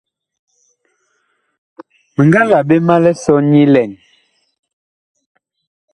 Mi nga la ɓe ma lisɔ nyilɛn.